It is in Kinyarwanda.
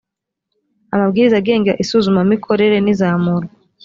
amabwiriza agenga isuzumamikorere n izamurwa